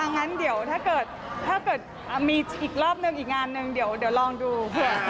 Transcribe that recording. อันนั้นเดี๋ยวถ้าเกิดมีอีกรอบหนึ่งอีกงานหนึ่งเดี๋ยวลองดู